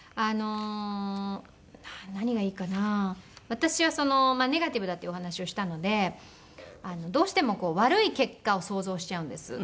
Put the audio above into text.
私はネガティブだっていうお話をしたのでどうしても悪い結果を想像しちゃうんです。